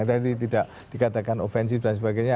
tadi tidak dikatakan ofensif dan sebagainya